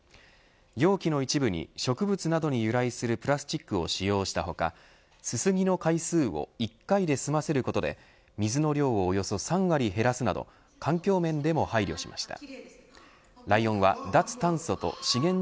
容器の一部に植物などに由来するプラスチックを使用した他すすぎの回数を１回で済ませることで水の量をおよそ３割減らすなど環境面でも配慮しました。